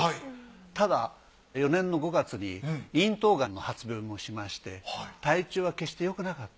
ただ４年の５月に咽頭癌の発病もしまして体調は決してよくなかった。